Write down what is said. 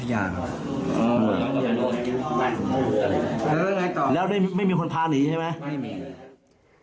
จังหวัดอะไรยุธยาครับอ๋อแล้วไม่มีคนพาหนีใช่ไหมไม่มีเลย